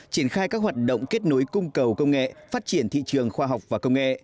triển khai các hoạt động kết nối cung cầu công nghệ phát triển thị trường khoa học và công nghệ